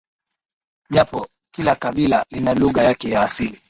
japo kila kabila lina lugha yake ya asili